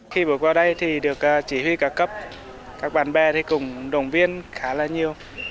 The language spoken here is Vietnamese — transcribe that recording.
khi bước qua đây thì được chỉ huy cả cấp các bạn bè thì cũng động viên khá là nhiều